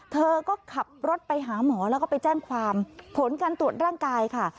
เธอก็ขับรถไปหาหมอแล้วก็ไปแจ้งความผลการตรวจร่างกายค่ะ